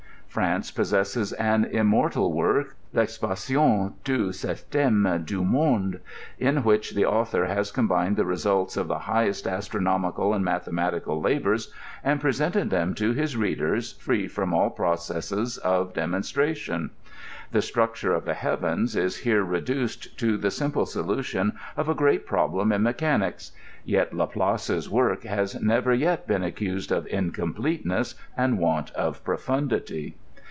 France possesses jbxl immortal work, L' Exposition du S^ teme du Mondey m which the author has combined the results of the highest astronomical and mathematical labors, and pre sented them to his readers free from all processes of e|^on stration. The .slaruoture of the heavens is hese reduced l^the simple solution of a great ;pioblem in mechanics ; yet LapU^'s work has never yet be^i accused of incompleteness and want of profundity.